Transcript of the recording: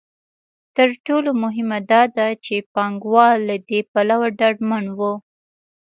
تر ټولو مهمه دا ده چې پانګوال له دې پلوه ډاډمن وو.